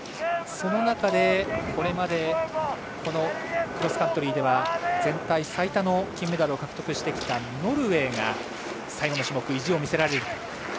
その中でこれまでクロスカントリーでは全体最多の金メダルを獲得してきたノルウェーが最後の種目、意地を見せられるか。